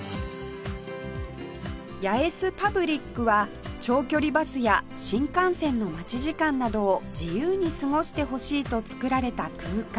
ヤエスパブリックは長距離バスや新幹線の待ち時間などを自由に過ごしてほしいと作られた空間